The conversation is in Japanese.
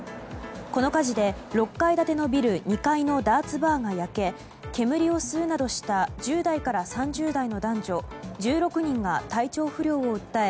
この火事で６階建てのビル２階のダーツバーが焼け煙を吸うなどした１０代から３０代の男女１６人が体調不良を訴え